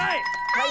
はい！